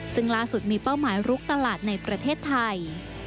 ซึ่งล่าสุดมีเป้าหมายลุกตลาดในประเทศไทย